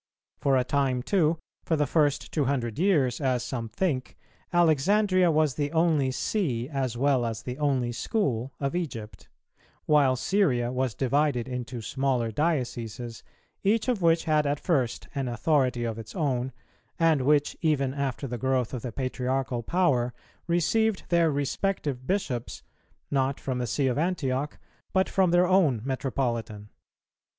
For a time too, for the first two hundred years, as some think, Alexandria was the only See as well as the only school of Egypt; while Syria was divided into smaller dioceses, each of which had at first an authority of its own, and which, even after the growth of the Patriarchal power, received their respective bishops, not from the See of Antioch, but from their own metropolitan.